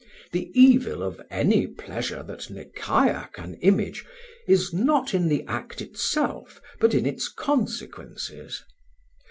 The evil of any pleasure that Nekayah can image is not in the act itself but in its consequences.